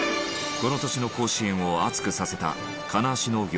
この年の甲子園を熱くさせた金足農業